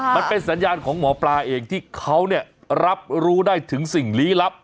มันเป็นสัญญาณของหมอปลาเองที่เขาเนี่ยรับรู้ได้ถึงสิ่งลี้ลับ